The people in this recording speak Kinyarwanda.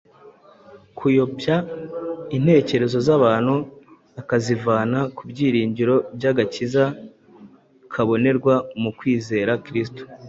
Kuyobya intekerezo z’abantu akazivana ku byiringiro by’agakiza kabonerwa mu kwizera Kristo